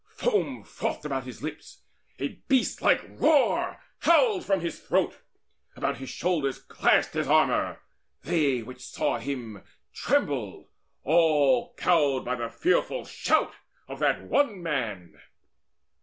Foam frothed about his lips; a beast like roar Howled from his throat. About his shoulders clashed His armour. They which saw him trembled, all Cowed by the fearful shout of that one man.